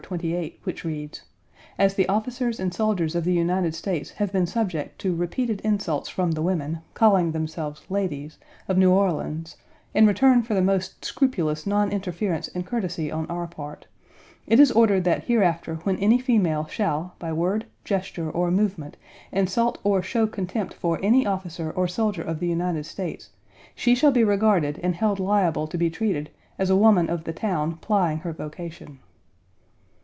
28," which reads: "As the officers and soldiers of the United States have been subject to repeated insults from the women (calling themselves ladies) of New Orleans, in return for the most scrupulous non interference and courtesy on our part, it is ordered that hereafter when any female shall by word, gesture, or movement insult or show contempt for any officer or soldier of the United States she shall be regarded and held liable to be treated as a woman of the town plying her vocation."